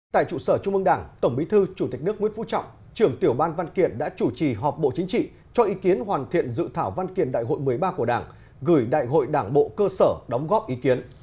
tại trụ sở trung mương đảng tổng bí thư chủ tịch nước nguyễn phú trọng trưởng tiểu ban văn kiện đã chủ trì họp bộ chính trị cho ý kiến hoàn thiện dự thảo văn kiện đại hội một mươi ba của đảng gửi đại hội đảng bộ cơ sở đóng góp ý kiến